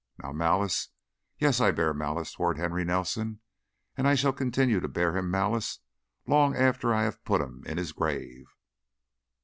Now, malice Yes, I bear malice toward Henry Nelson and I shall continue to bear him malice long after I have put him in his grave."